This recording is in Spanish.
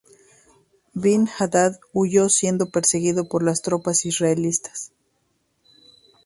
Ben-Hadad huyó siendo perseguido por tropas israelitas.